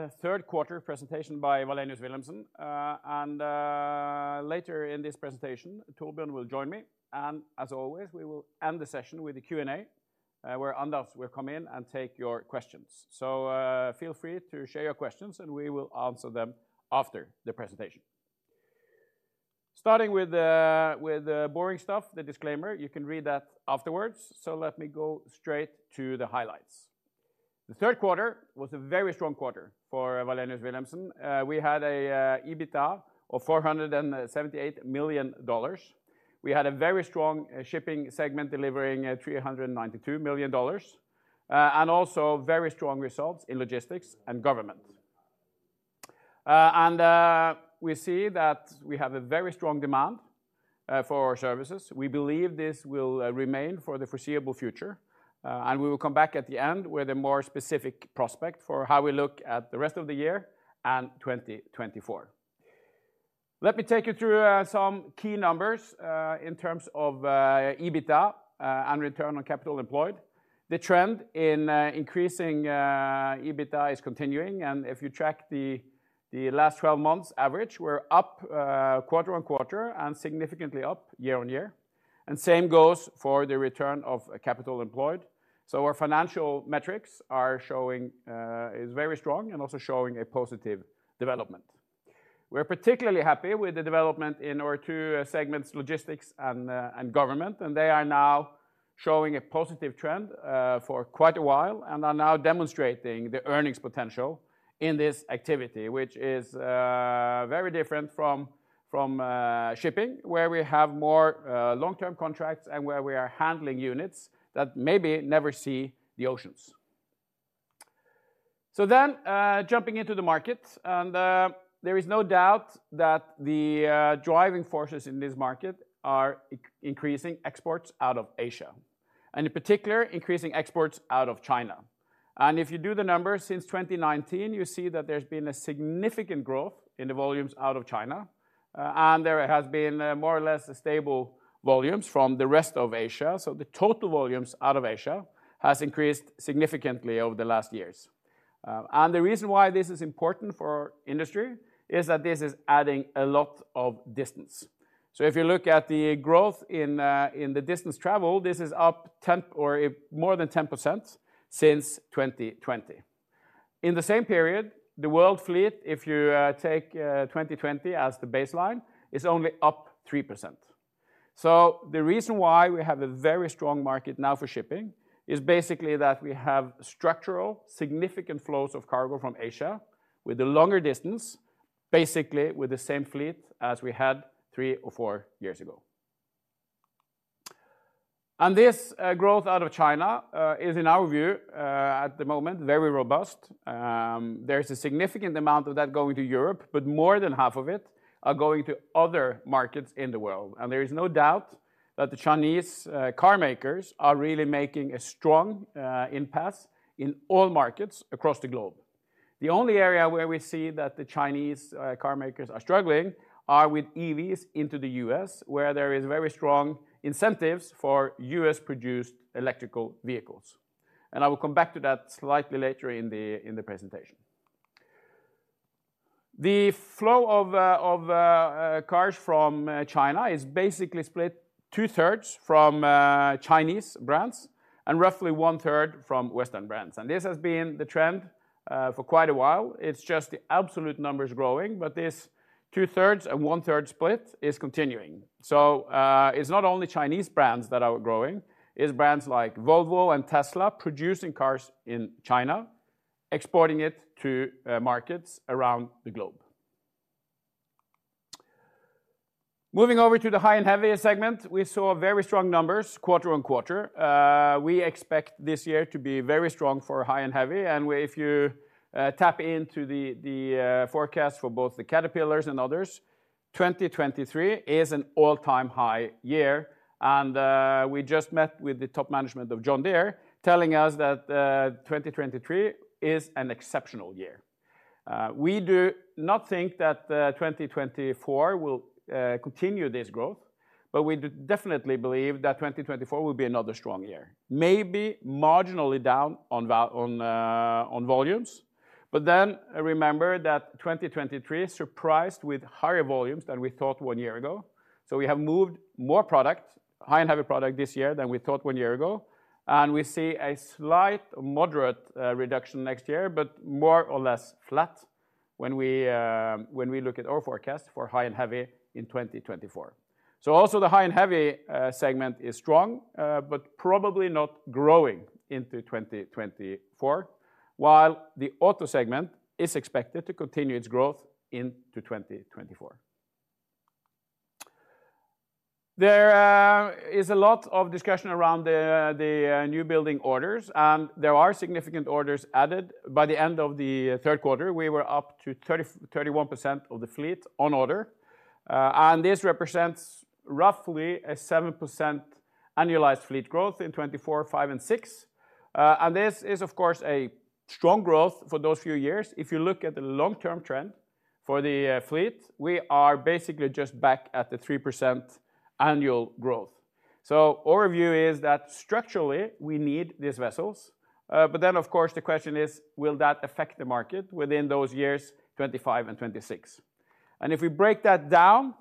The Q3 presentation by Wallenius Wilhelmsen. Later in this presentation, Torbjørn will join me, and as always, we will end the session with a Q&A, where Anders will come in and take your questions. So, feel free to share your questions, and we will answer them after the presentation. Starting with the boring stuff, the disclaimer, you can read that afterwards, so let me go straight to the highlights. The Q3 was a very strong quarter for Wallenius Wilhelmsen. We had an EBITDA of $478 million. We had a very strong shipping segment, delivering $392 million, and also very strong results in logistics and government. We see that we have a very strong demand for our services. We believe this will remain for the foreseeable future, and we will come back at the end with a more specific prospect for how we look at the rest of the year and 2024. Let me take you through some key numbers in terms of EBITDA and return on capital employed. The trend in increasing EBITDA is continuing, and if you track the last twelve months average, we're up quarter-on-quarter and significantly up year-on-year, and same goes for the return of capital employed. So our financial metrics are showing is very strong and also showing a positive development. We're particularly happy with the development in our two segments, logistics and government, and they are now showing a positive trend for quite a while, and are now demonstrating the earnings potential in this activity, which is very different from shipping, where we have more long-term contracts and where we are handling units that maybe never see the oceans. So then, jumping into the market, and there is no doubt that the driving forces in this market are increasing exports out of Asia, and in particular, increasing exports out of China. And if you do the numbers since 2019, you see that there's been a significant growth in the volumes out of China, and there has been more or less stable volumes from the rest of Asia. So the total volumes out of Asia has increased significantly over the last years. And the reason why this is important for our industry is that this is adding a lot of distance. So if you look at the growth in, in the distance travel, this is up 10% or more than 10% since 2020. In the same period, the world fleet, if you take 2020 as the baseline, is only up 3%. So the reason why we have a very strong market now for shipping is basically that we have structural, significant flows of cargo from Asia with a longer distance, basically with the same fleet as we had three or four years ago. And this growth out of China is, in our view, at the moment, very robust. There's a significant amount of that going to Europe, but more than half of it are going to other markets in the world. There is no doubt that the Chinese car makers are really making a strong impasse in all markets across the globe. The only area where we see that the Chinese car makers are struggling are with EVs into the U.S., where there is very strong incentives for U.S.-produced electric vehicles. I will come back to that slightly later in the presentation. The flow of cars from China is basically split two-thirds from Chinese brands and roughly one-third from Western brands, and this has been the trend for quite a while. It's just the absolute numbers growing, but this two-thirds and one-third split is continuing. So, it's not only Chinese brands that are growing, it's brands like Volvo and Tesla producing cars in China, exporting it to markets around the globe. Moving over to the high and heavy segment, we saw very strong numbers quarter-on-quarter. We expect this year to be very strong for high and heavy, and if you tap into the forecast for both the Caterpillar and others, 2023 is an all-time high year, and we just met with the top management of John Deere, telling us that 2023 is an exceptional year. We do not think that 2024 will continue this growth, but we do definitely believe that 2024 will be another strong year, maybe marginally down on volumes. But then remember that 2023 surprised with higher volumes than we thought one year ago. So we have moved more product, high and heavy product this year than we thought one year ago, and we see a slight moderate reduction next year, but more or less flat when we, when we look at our forecast for high and heavy in 2024. So also, the high and heavy segment is strong, but probably not growing into 2024, while the auto segment is expected to continue its growth into 2024. There is a lot of discussion around the, the newbuilding orders, and there are significant orders added. By the end of the Q3, we were up to 31% of the fleet on order, and this represents roughly a 7% annualized fleet growth in 2024, 2025 and 2026. And this is, of course, a strong growth for those few years. If you look at the long-term trend for the fleet, we are basically just back at the 3% annual growth. So our view is that structurally, we need these vessels. But then, of course, the question is: will that affect the market within those years, 2025 and 2026? And if we break that down,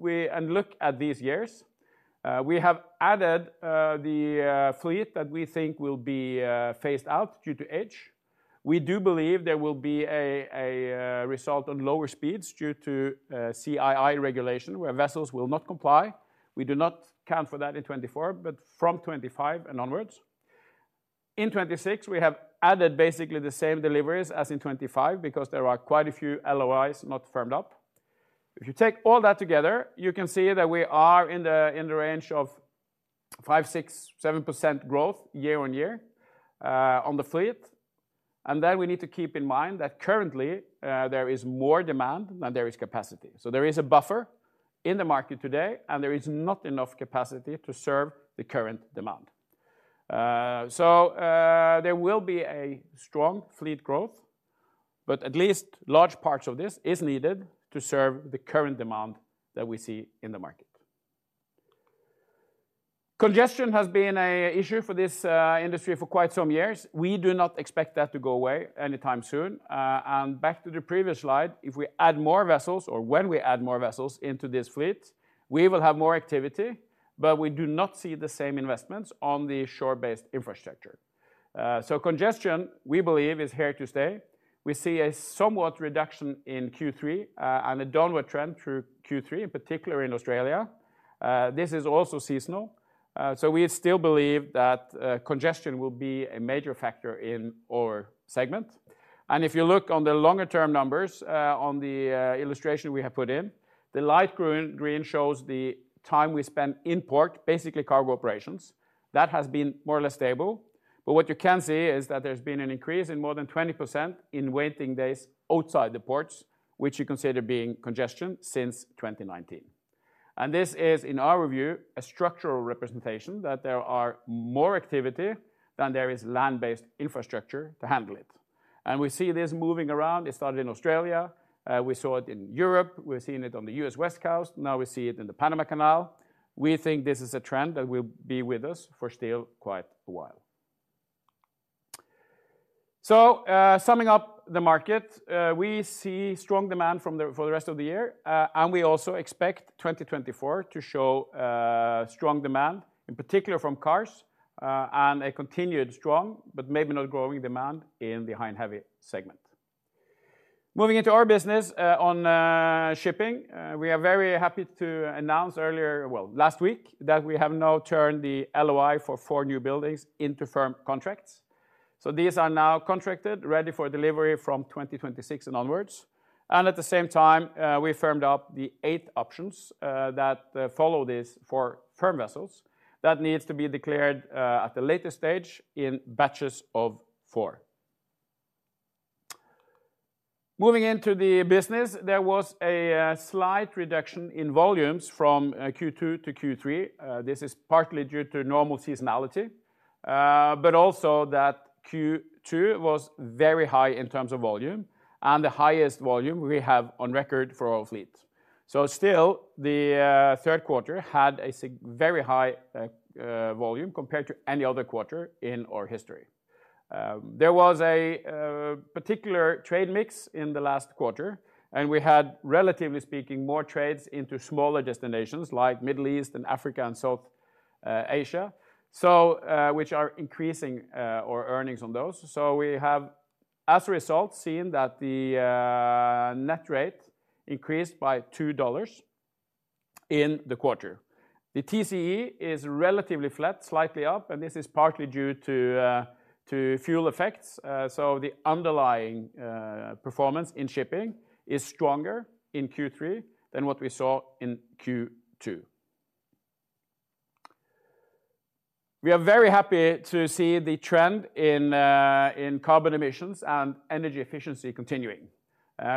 we and look at these years, we have added the fleet that we think will be phased out due to age. We do believe there will be a result on lower speeds due to CII regulation, where vessels will not comply. We do not count for that in 2024, but from 2025 and onwards. In 2026, we have added basically the same deliveries as in 2025 because there are quite a few LOIs not firmed up. If you take all that together, you can see that we are in the range of 5%-7% growth year-on-year on the fleet. And then we need to keep in mind that currently there is more demand than there is capacity. So there is a buffer in the market today, and there is not enough capacity to serve the current demand. So, there will be a strong fleet growth, but at least large parts of this is needed to serve the current demand that we see in the market. Congestion has been an issue for this industry for quite some years. We do not expect that to go away anytime soon. Back to the previous slide, if we add more vessels, or when we add more vessels into this fleet, we will have more activity, but we do not see the same investments on the shore-based infrastructure. So congestion, we believe, is here to stay. We see a somewhat reduction in Q3, and a downward trend through Q3, in particular in Australia. This is also seasonal, so we still believe that congestion will be a major factor in our segment. And if you look on the longer-term numbers, on the, illustration we have put in, the light green, green shows the time we spent in port, basically cargo operations. That has been more or less stable. But what you can see is that there's been an increase in more than 20% in waiting days outside the ports, which you consider being congestion, since 2019. And this is, in our view, a structural representation that there are more activity than there is land-based infrastructure to handle it. And we see this moving around. It started in Australia, we saw it in Europe, we've seen it on the U.S. West Coast, now we see it in the Panama Canal. We think this is a trend that will be with us for still quite a while. Summing up the market, we see strong demand for the rest of the year, and we also expect 2024 to show strong demand, in particular from cars, and a continued strong, but maybe not growing demand in the high and heavy segment. Moving into our business, on shipping, we are very happy to announce earlier well, last week, that we have now turned the LOI for 4 new buildings into firm contracts. So these are now contracted, ready for delivery from 2026 and onwards. And at the same time, we firmed up the 8 options that follow these 4 firm vessels. That needs to be declared at a later stage in batches of 4. Moving into the business, there was a slight reduction in volumes from Q2 to Q3. This is partly due to normal seasonality, but also that Q2 was very high in terms of volume and the highest volume we have on record for our fleet. So still, the Q3 had a very high volume compared to any other quarter in our history. There was a particular trade mix in the last quarter, and we had, relatively speaking, more trades into smaller destinations like Middle East and Africa and South Asia, so which are increasing our earnings on those. So we have, as a result, seen that the net rate increased by $2 in the quarter. The TCE is relatively flat, slightly up, and this is partly due to fuel effects, so the underlying performance in shipping is stronger in Q3 than what we saw in Q2. We are very happy to see the trend in carbon emissions and energy efficiency continuing.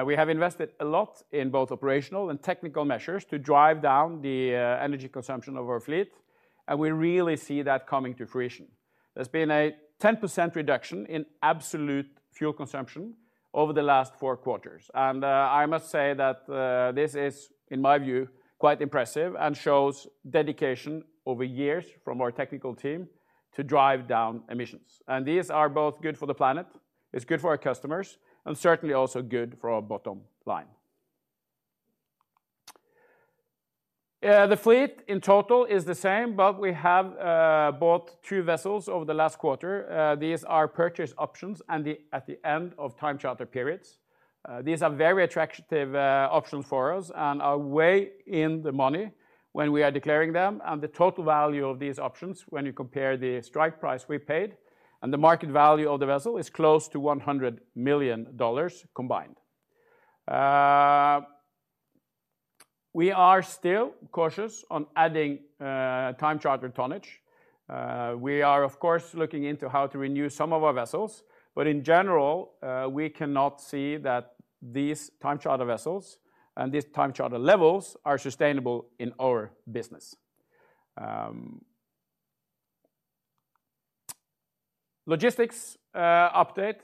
We have invested a lot in both operational and technical measures to drive down the energy consumption of our fleet, and we really see that coming to fruition. There's been a 10% reduction in absolute fuel consumption over the last four quarters. And I must say that this is, in my view, quite impressive and shows dedication over years from our technical team to drive down emissions. And these are both good for the planet, it's good for our customers, and certainly also good for our bottom line. The fleet in total is the same, but we have bought two vessels over the last quarter. These are purchase options and at the end of time charter periods. These are very attractive options for us and are way in the money when we are declaring them. And the total value of these options, when you compare the strike price we paid and the market value of the vessel, is close to $100 million combined. We are still cautious on adding time charter tonnage. We are, of course, looking into how to renew some of our vessels, but in general, we cannot see that these time charter vessels and these time charter levels are sustainable in our business. Logistics update.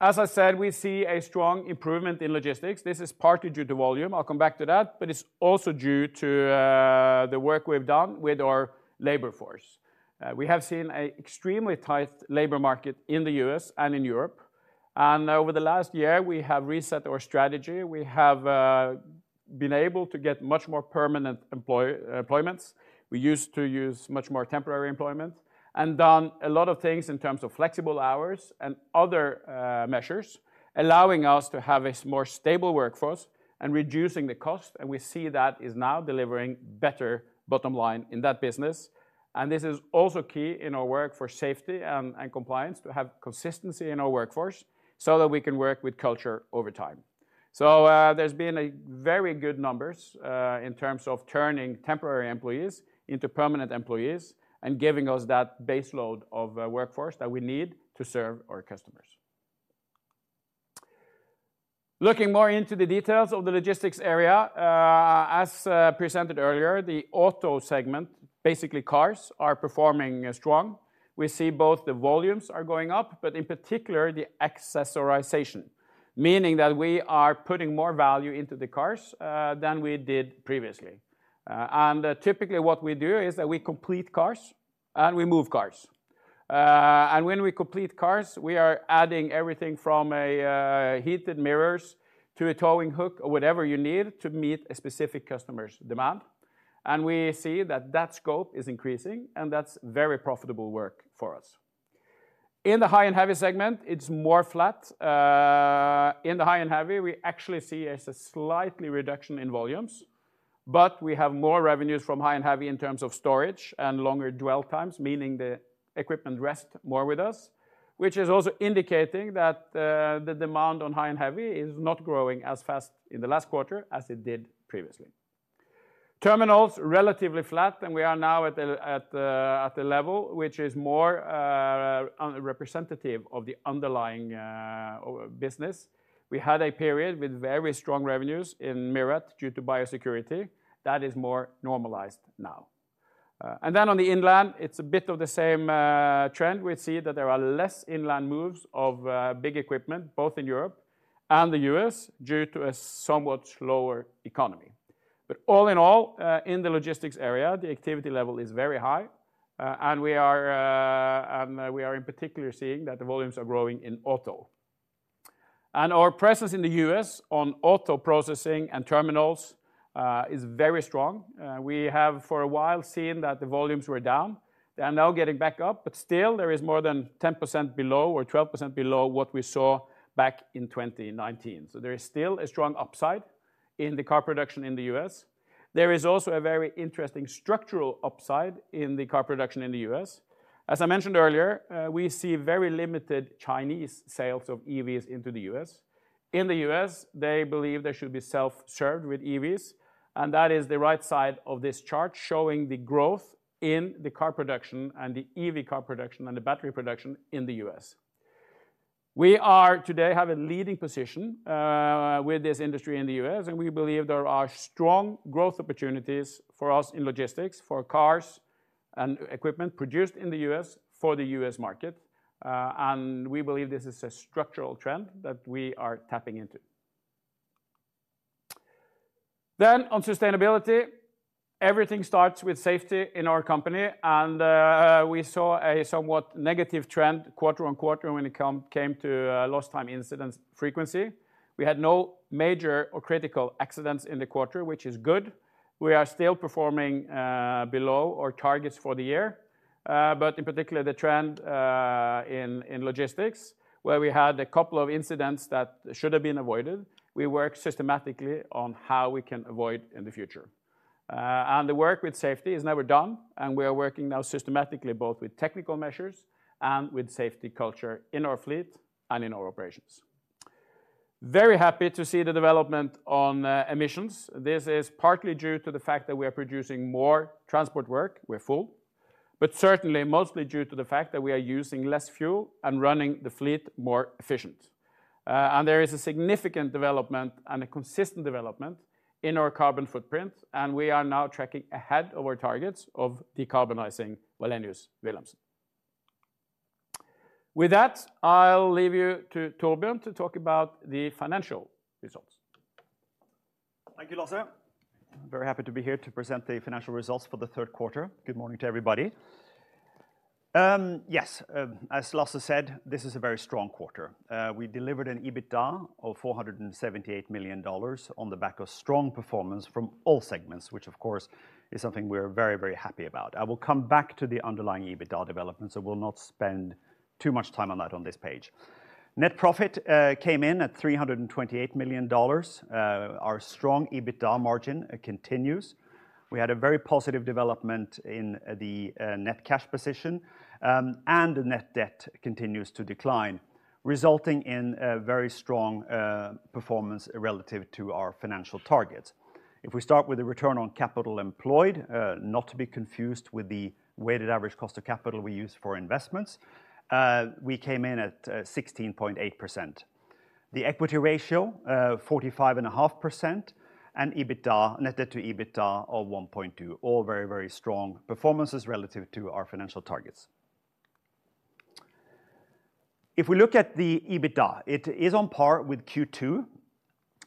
As I said, we see a strong improvement in logistics. This is partly due to volume, I'll come back to that, but it's also due to the work we've done with our labor force. We have seen a extremely tight labor market in the U.S. and in Europe, and over the last year, we have reset our strategy. We have been able to get much more permanent employments. We used to use much more temporary employment, and done a lot of things in terms of flexible hours and other measures, allowing us to have a more stable workforce and reducing the cost, and we see that is now delivering better bottom line in that business. And this is also key in our work for safety and compliance, to have consistency in our workforce so that we can work with culture over time. So, there's been a very good numbers in terms of turning temporary employees into permanent employees and giving us that base load of workforce that we need to serve our customers. Looking more into the details of the logistics area, presented earlier, the auto segment, basically cars, are performing strong. We see both the volumes are going up, but in particular, the accessorization, meaning that we are putting more value into the cars than we did previously. Typically, what we do is that we complete cars and we move cars. When we complete cars, we are adding everything from a heated mirrors to a towing hook or whatever you need to meet a specific customer's demand. We see that that scope is increasing, and that's very profitable work for us. In the high and heavy segment, it's more flat. In the High and Heavy, we actually see as a slightly reduction in volumes, but we have more revenues from High and Heavy in terms of storage and longer dwell times, meaning the equipment rest more with us, which is also indicating that the demand on High and Heavy is not growing as fast in the last quarter as it did previously. Terminals, relatively flat, and we are now at the level, which is more unrepresentative of the underlying business. We had a period with very strong revenues in MIRRAT due to biosecurity. That is more normalized now. And then on the inland, it's a bit of the same trend. We see that there are less inland moves of big equipment, both in Europe and the U.S., due to a somewhat slower economy. But all in all, in the logistics area, the activity level is very high, and we are in particular seeing that the volumes are growing in auto. And our presence in the U.S. on auto processing and terminals is very strong. We have for a while seen that the volumes were down. They are now getting back up, but still there is more than 10% below or 12% below what we saw back in 2019. So there is still a strong upside in the car production in the U.S. There is also a very interesting structural upside in the car production in the U.S. As I mentioned earlier, we see very limited Chinese sales of EVs into the U.S. In the U.S., they believe they should be self-served with EVs, and that is the right side of this chart, showing the growth in the car production and the EV car production and the battery production in the U.S. We today have a leading position with this industry in the U.S., and we believe there are strong growth opportunities for us in logistics, for cars and equipment produced in the U.S., for the U.S. market. And we believe this is a structural trend that we are tapping into. Then on sustainability, everything starts with safety in our company, and we saw a somewhat negative trend quarter-on-quarter when it came to lost time incidents frequency. We had no major or critical accidents in the quarter, which is good. We are still performing below our targets for the year, but in particular, the trend in logistics, where we had a couple of incidents that should have been avoided. We work systematically on how we can avoid in the future. The work with safety is never done, and we are working now systematically, both with technical measures and with safety culture in our fleet and in our operations. Very happy to see the development on emissions. This is partly due to the fact that we are producing more transport work, we're full, but certainly mostly due to the fact that we are using less fuel and running the fleet more efficient. There is a significant development and a consistent development in our carbon footprint, and we are now tracking ahead of our targets of decarbonizing Wallenius Wilhelmsen. With that, I'll leave you to Torbjørn to talk about the financial results. Thank you, Lasse. Very happy to be here to present the financial results for the Q3. Good morning to everybody. As Lasse said, this is a very strong quarter. We delivered an EBITDA of $478 million on the back of strong performance from all segments, which of course is something we're very, very happy about. I will come back to the underlying EBITDA development, so we'll not spend too much time on that on this page. Net profit came in at $328 million. Our strong EBITDA margin, it continues. We had a very positive development in the net cash position, and the net debt continues to decline, resulting in a very strong performance relative to our financial targets. If we start with the return on capital employed, not to be confused with the weighted average cost of capital we use for investments, we came in at 16.8%. The equity ratio, 45.5%, and EBITDA net debt to EBITDA of 1.2. All very, very strong performances relative to our financial targets. If we look at the EBITDA, it is on par with Q2,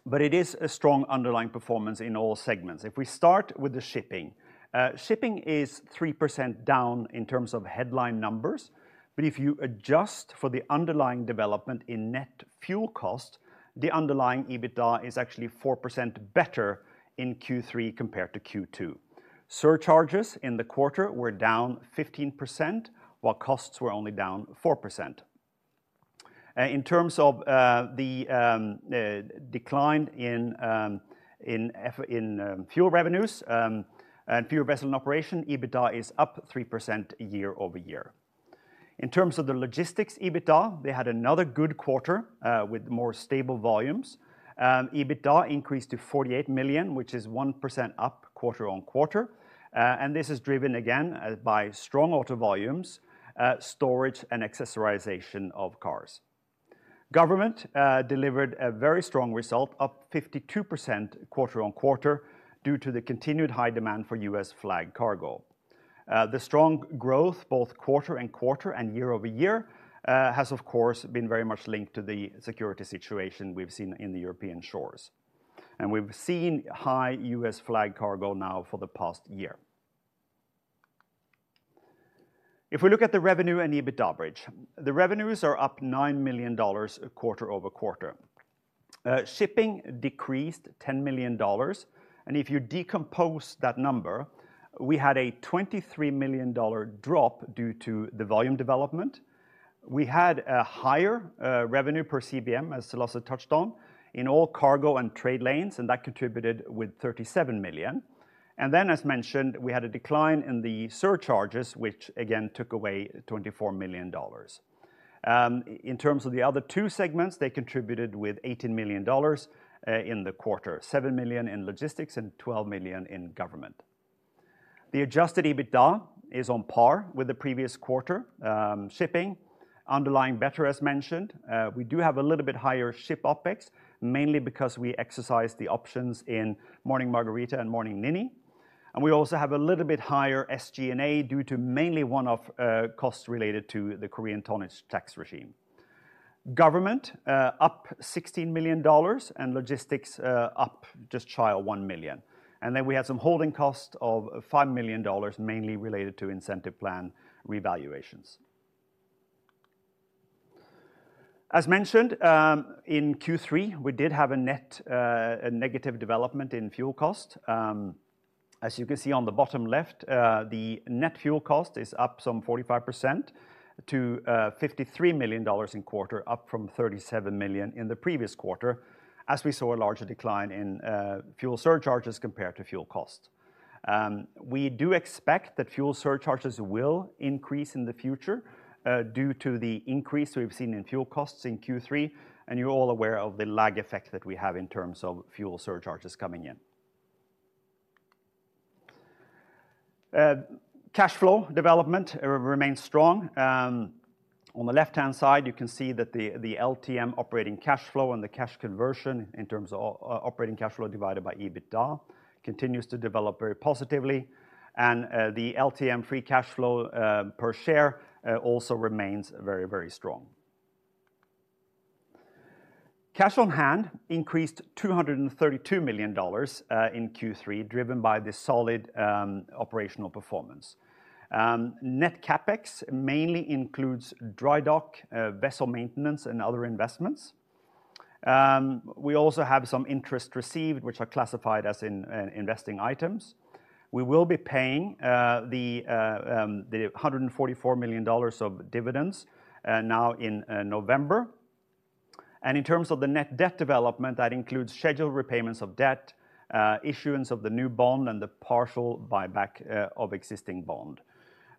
but it is a strong underlying performance in all segments. If we start with the shipping, shipping is 3% down in terms of headline numbers, but if you adjust for the underlying development in net fuel cost, the underlying EBITDA is actually 4% better in Q3 compared to Q2. Surcharges in the quarter were down 15%, while costs were only down 4%. In terms of the decline in fuel revenues and fuel vessels in operation, EBITDA is up 3% year-over-year. In terms of the logistics EBITDA, they had another good quarter with more stable volumes. EBITDA increased to $48 million, which is 1% up quarter-on-quarter. And this is driven again by strong auto volumes, storage, and accessorization of cars. Government Services delivered a very strong result, up 52% quarter-on-quarter, due to the continued high demand for U.S. flag cargo. The strong growth, both quarter-on-quarter and year-over-year, has, of course, been very much linked to the security situation we've seen in the European shores. We've seen high U.S. flag cargo now for the past year. If we look at the revenue and EBITDA bridge, the revenues are up $9 million quarter-over-quarter. Shipping decreased $10 million, and if you decompose that number, we had a $23 million drop due to the volume development. We had a higher, revenue per CBM, as Lasse touched on, in all cargo and trade lanes, and that contributed with $37 million. And then, as mentioned, we had a decline in the surcharges, which again took away $24 million. In terms of the other two segments, they contributed with $18 million in the quarter, $7 million in logistics and $12 million in government. The adjusted EBITDA is on par with the previous quarter, shipping, underlying better, as mentioned. We do have a little bit higher ship OpEx, mainly because we exercise the options in Morning Margareta and Morning Ninni. We also have a little bit higher SG&A, due to mainly one-off costs related to the Korean tonnage tax regime. Government up $16 million, and logistics up just shy of $1 million. And then we had some holding costs of $5 million, mainly related to incentive plan revaluations. As mentioned in Q3, we did have a net a negative development in fuel cost. As you can see on the bottom left, the net fuel cost is up some 45% to $53 million in quarter, up from $37 million in the previous quarter, as we saw a larger decline in fuel surcharges compared to fuel cost. We do expect that fuel surcharges will increase in the future, due to the increase we've seen in fuel costs in Q3, and you're all aware of the lag effect that we have in terms of fuel surcharges coming in. Cash flow development remains strong. On the left-hand side, you can see that the LTM operating cash flow and the cash conversion in terms of operating cash flow divided by EBITDA continues to develop very positively, and the LTM free cash flow per share also remains very, very strong. Cash on hand increased $232 million in Q3, driven by the solid operational performance. Net CapEx mainly includes dry dock, vessel maintenance, and other investments. We also have some interest received, which are classified as investing items. We will be paying the $144 million of dividends now in November. In terms of the net debt development, that includes scheduled repayments of debt, issuance of the new bond, and the partial buyback of existing bond.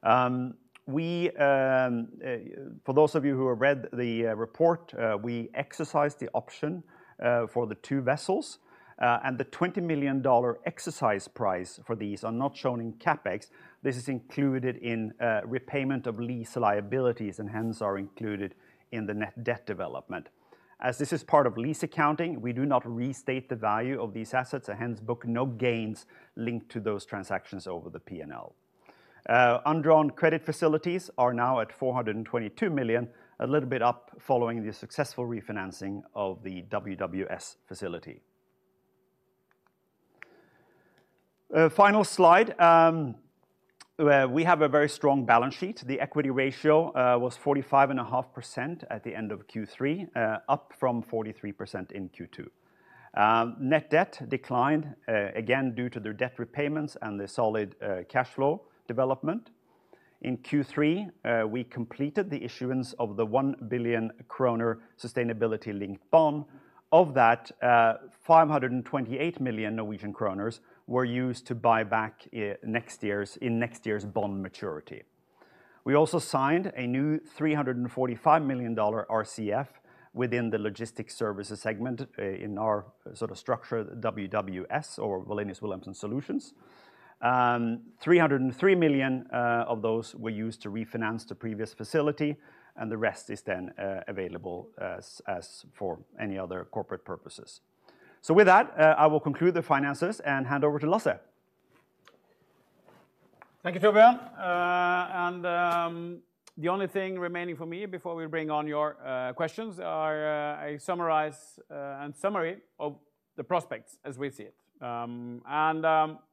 For those of you who have read the report, we exercised the option for the two vessels, and the $20 million exercise price for these are not shown in CapEx. This is included in repayment of lease liabilities, and hence are included in the net debt development. As this is part of lease accounting, we do not restate the value of these assets, and hence book no gains linked to those transactions over the P&L. Undrawn credit facilities are now at $422 million, a little bit up, following the successful refinancing of the WWS facility. Final slide. We have a very strong balance sheet. The equity ratio was 45.5% at the end of Q3, up from 43% in Q2. Net debt declined again, due to their debt repayments and the solid cash flow development. In Q3, we completed the issuance of the 1 billion kroner sustainability-linked bond. Of that, 528 million Norwegian kroner were used to buy back next year's, in next year's bond maturity.... We also signed a new $345 million RCF within the logistic services segment, in our sort of structure, WWS or Wallenius Wilhelmsen Solutions. $303 million of those were used to refinance the previous facility, and the rest is then available, as for any other corporate purposes. So with that, I will conclude the finances and hand over to Lasse. Thank you, Torbjørn. The only thing remaining for me before we bring on your questions is to summarize a summary of the prospects as we see it.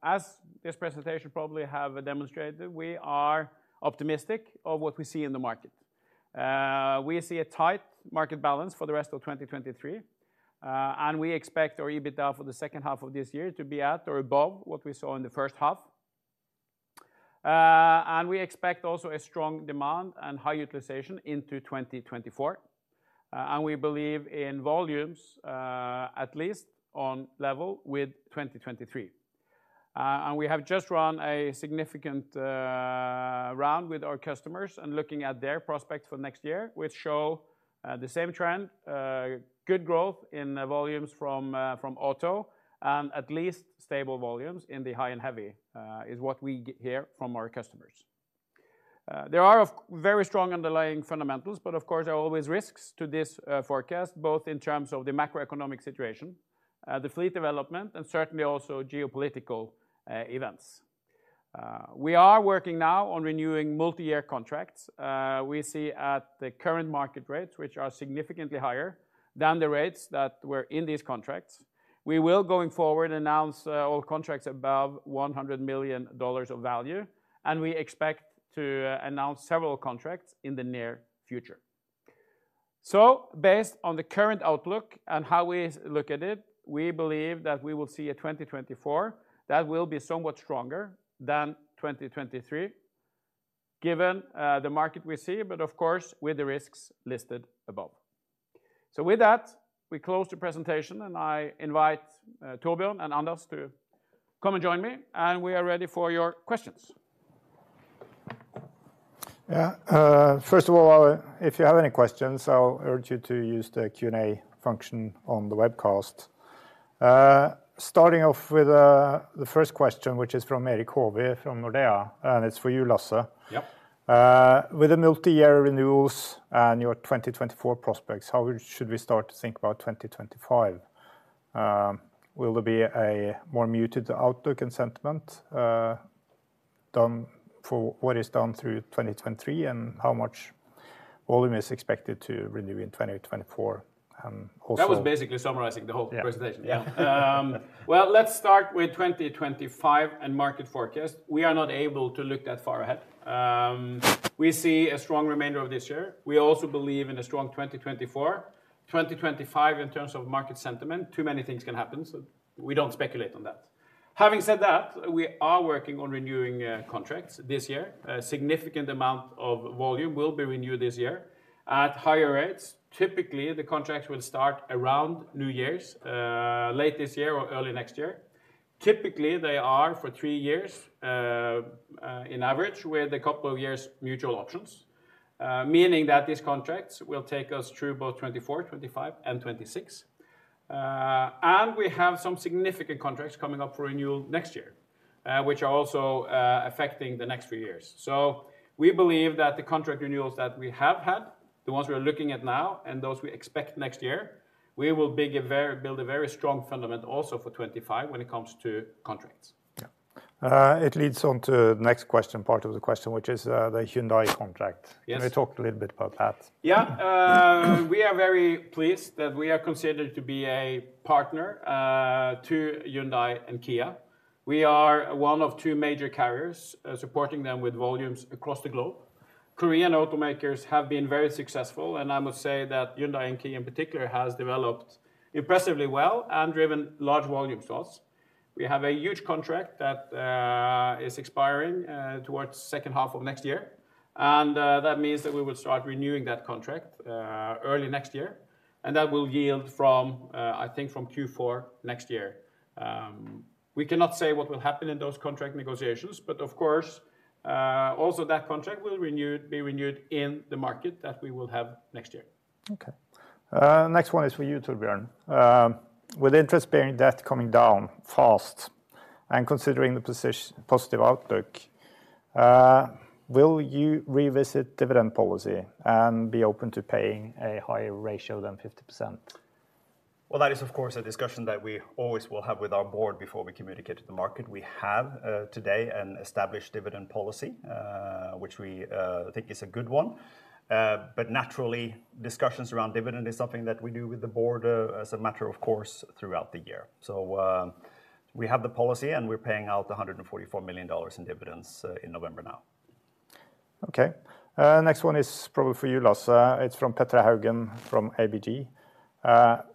As this presentation probably have demonstrated, we are optimistic of what we see in the market. We see a tight market balance for the rest of 2023, and we expect our EBITDA for the second half of this year to be at or above what we saw in the first half. And we expect also a strong demand and high utilization into 2024. And we believe in volumes, at least on level with 2023. And we have just run a significant round with our customers and looking at their prospects for next year, which show the same trend, good growth in volumes from auto, and at least stable volumes in the high and heavy, is what we hear from our customers. There are of very strong underlying fundamentals, but of course, there are always risks to this forecast, both in terms of the macroeconomic situation, the fleet development, and certainly also geopolitical events. We are working now on renewing multi-year contracts. We see at the current market rates, which are significantly higher than the rates that were in these contracts. We will, going forward, announce all contracts above $100 million of value, and we expect to announce several contracts in the near future. So based on the current outlook and how we look at it, we believe that we will see a 2024 that will be somewhat stronger than 2023, given the market we see, but of course, with the risks listed above. So with that, we close the presentation, and I invite Torbjørn and Anders to come and join me, and we are ready for your questions. Yeah, first of all, if you have any questions, I'll urge you to use the Q&A function on the webcast. Starting off with the first question, which is from Erik Hovi from Nordea, and it's for you, Lasse. Yep. With the multi-year renewals and your 2024 prospects, how should we start to think about 2025? Will there be a more muted outlook and sentiment, done for what is done through 2023, and how much volume is expected to renew in 2024, also? That was basically summarizing the whole presentation. Yeah. Yeah. Well, let's start with 2025 and market forecast. We are not able to look that far ahead. We see a strong remainder of this year. We also believe in a strong 2024. 2025, in terms of market sentiment, too many things can happen, so we don't speculate on that. Having said that, we are working on renewing contracts this year. A significant amount of volume will be renewed this year at higher rates. Typically, the contracts will start around New Year's, late this year or early next year. Typically, they are for three years on average, with a couple of years mutual options, meaning that these contracts will take us through both 2024, 2025, and 2026. And we have some significant contracts coming up for renewal next year, which are also affecting the next few years. We believe that the contract renewals that we have had, the ones we are looking at now, and those we expect next year will build a very strong fundament also for 2025 when it comes to contracts. Yeah. It leads on to the next question, part of the question, which is, the Hyundai contract. Yes. Can we talk a little bit about that? Yeah. We are very pleased that we are considered to be a partner to Hyundai and Kia. We are one of two major carriers supporting them with volumes across the globe. Korean automakers have been very successful, and I must say that Hyundai and Kia in particular, has developed impressively well and driven large volume sales. We have a huge contract that is expiring towards second half of next year, and that means that we will start renewing that contract early next year, and that will yield from I think from Q4 next year. We cannot say what will happen in those contract negotiations, but of course, also that contract will be renewed in the market that we will have next year. Okay. Next one is for you, Torbjørn. With interest-bearing debt coming down fast and considering the positive outlook, will you revisit dividend policy and be open to paying a higher ratio than 50%? Well, that is, of course, a discussion that we always will have with our board before we communicate to the market. We have, today an established dividend policy, which we, think is a good one. But naturally, discussions around dividend is something that we do with the board, as a matter of course, throughout the year. So, we have the policy, and we're paying out $144 million in dividends, in November now. Okay, next one is probably for you, Lasse. It's from Petter Haugen, from ABG.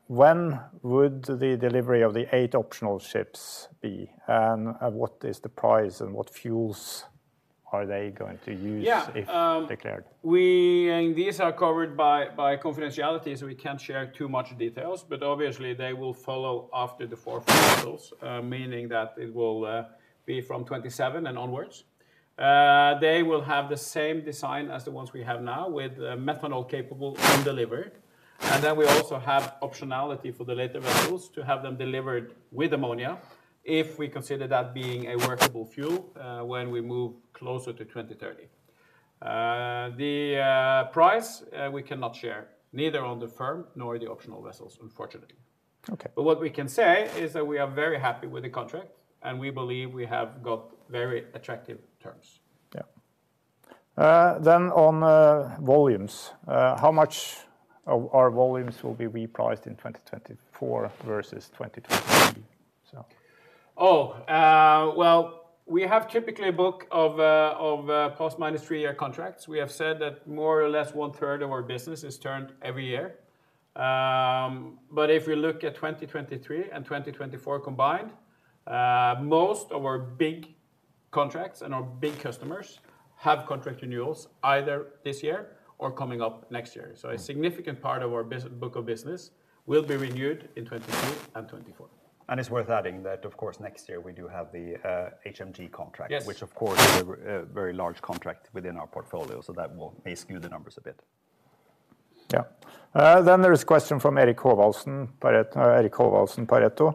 When would the delivery of the 8 optional ships be, and what is the price, and what fuels are they going to use? Yeah If declared? These are covered by confidentiality, so we can't share too much details, but obviously, they will follow after the 4 vessels, meaning that it will be from 2027 and onwards. They will have the same design as the ones we have now, with methanol capable on delivery, and then we also have optionality for the later vessels to have them delivered with ammonia, if we consider that being a workable fuel, when we move closer to 2030. The price we cannot share neither on the firm nor the optional vessels, unfortunately. Okay. What we can say is that we are very happy with the contract, and we believe we have got very attractive terms. Yeah. Then on volumes, how much of our volumes will be repriced in 2024 versus 2023? So- Oh, well, we have typically a book of, of, plus minus three-year contracts. We have said that more or less one third of our business is turned every year. But if you look at 2023 and 2024 combined, most of our big contracts and our big customers have contract renewals either this year or coming up next year. Mm-hmm. A significant part of our book of business will be renewed in 2022 and 2024. It's worth adding that, of course, next year we do have the HMG contract- Yes... which, of course, is a very large contract within our portfolio, so that will may skew the numbers a bit. Yeah. Then there is a question from Eirik Haavaldsen, but, Eirik Haavaldsen Pareto.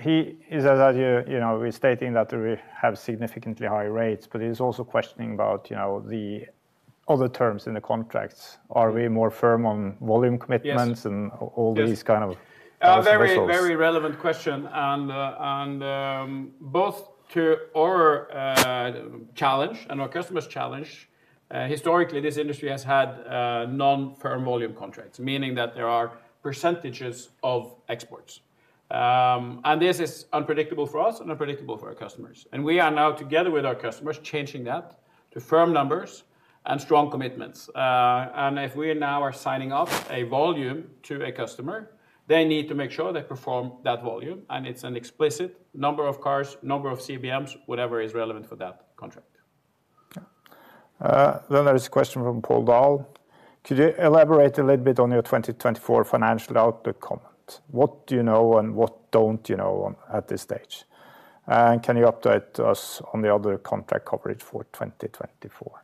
He is, as you know, stating that we have significantly high rates, but he's also questioning about, you know, the other terms in the contracts. Are we more firm on volume commitments? Yes And all these kind of vessels? Very, very relevant question. And both to our challenge and our customers' challenge, historically, this industry has had non-firm volume contracts, meaning that there are percentages of exports. And this is unpredictable for us and unpredictable for our customers, and we are now together with our customers, changing that to firm numbers and strong commitments. And if we now are signing up a volume to a customer, they need to make sure they perform that volume, and it's an explicit number of cars, number of CBMs, whatever is relevant for that contract. Yeah. Then there is a question from Paul Dahl. Could you elaborate a little bit on your 2024 financial outlook comment? What do you know, and what don't you know on at this stage? And can you update us on the other contract coverage for 2024?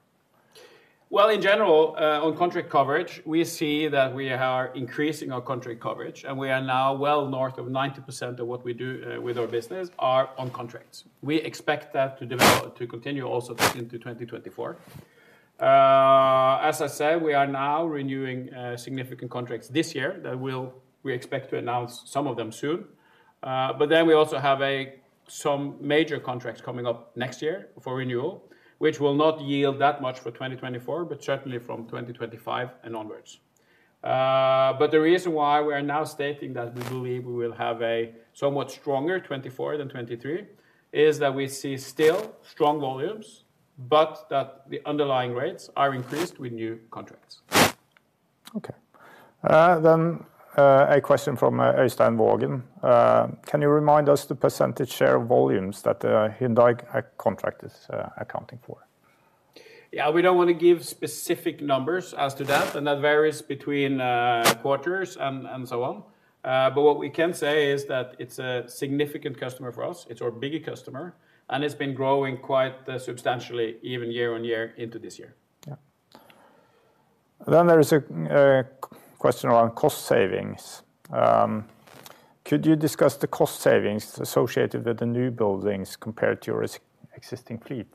Well, in general, on contract coverage, we see that we are increasing our contract coverage, and we are now well north of 90% of what we do with our business are on contracts. We expect that to develop to continue also into 2024. As I said, we are now renewing significant contracts this year that we expect to announce some of them soon. But then we also have some major contracts coming up next year for renewal, which will not yield that much for 2024, but certainly from 2025 and onwards. But the reason why we are now stating that we believe we will have a somewhat stronger 2024 than 2023 is that we see still strong volumes, but that the underlying rates are increased with new contracts. Okay. Then, a question from Øystein Vaagen. Can you remind us the percentage share of volumes that Hyundai contract is accounting for? Yeah, we don't want to give specific numbers as to that, and that varies between quarters and so on. But what we can say is that it's a significant customer for us. It's our bigger customer, and it's been growing quite substantially, even year-on-year into this year. Yeah. Then there is a question around cost savings. Could you discuss the cost savings associated with the new buildings compared to your existing fleet?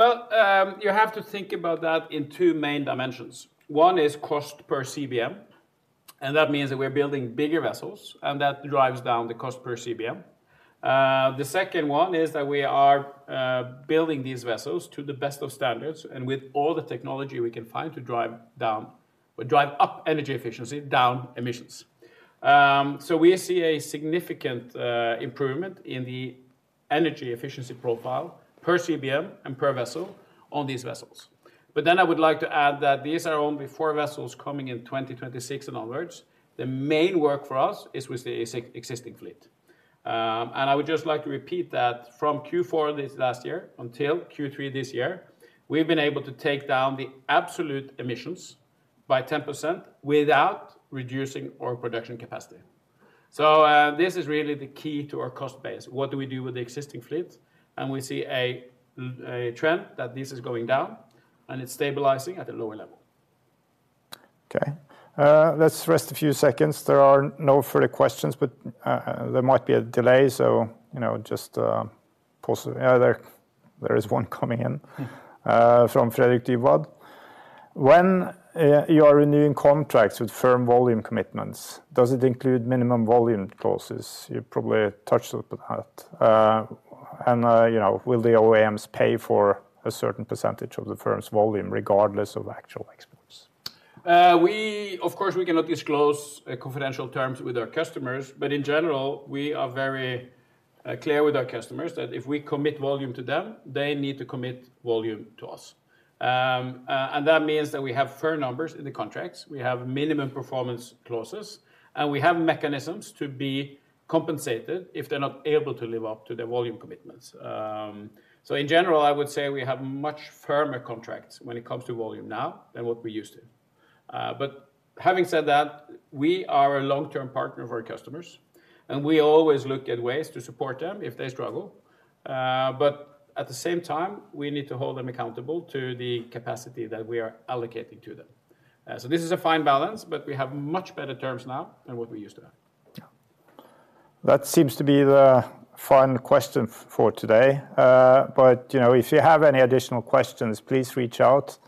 Well, you have to think about that in two main dimensions. One is cost per CBM, and that means that we're building bigger vessels, and that drives down the cost per CBM. The second one is that we are building these vessels to the best of standards and with all the technology we can find to drive down or drive up energy efficiency, down emissions. So we see a significant improvement in the energy efficiency profile per CBM and per vessel on these vessels. But then I would like to add that these are only four vessels coming in 2026 and onwards. The main work for us is with the existing fleet. I would just like to repeat that from Q4 this last year until Q3 this year, we've been able to take down the absolute emissions by 10% without reducing our production capacity. So, this is really the key to our cost base. What do we do with the existing fleet? And we see a trend that this is going down, and it's stabilizing at a lower level. Okay, let's rest a few seconds. There are no further questions, but there might be a delay, so, you know, just pause. Yeah, there is one coming in from Fredrik Dybwad. When you are renewing contracts with firm volume commitments, does it include minimum volume clauses? You probably touched upon that. And you know, will the OEMs pay for a certain percentage of the firm's volume, regardless of actual exports? Of course, we cannot disclose confidential terms with our customers, but in general, we are very clear with our customers that if we commit volume to them, they need to commit volume to us. And that means that we have firm numbers in the contracts, we have minimum performance clauses, and we have mechanisms to be compensated if they're not able to live up to their volume commitments. So in general, I would say we have much firmer contracts when it comes to volume now than what we used to. But having said that, we are a long-term partner of our customers, and we always look at ways to support them if they struggle. But at the same time, we need to hold them accountable to the capacity that we are allocating to them. This is a fine balance, but we have much better terms now than what we used to have. Yeah. That seems to be the final question for today. But, you know, if you have any additional questions, please reach out.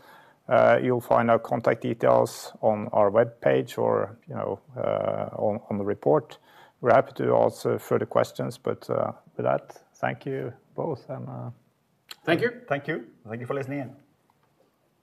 You'll find our contact details on our webpage or, you know, on the report. We're happy to answer further questions, but with that, thank you both, and. Thank you. Thank you. Thank you for listening in.